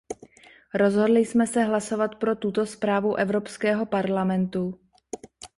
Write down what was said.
Rozhodli jsme se hlasovat pro tuto zprávu Evropského parlamentu.